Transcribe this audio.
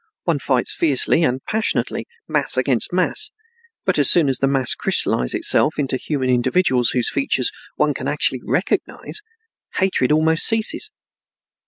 One fights fiercely and passionately, mass against mass, but as soon as the mass crystallizes itself into human individuals whose features one actually can recognize, hatred almost ceases.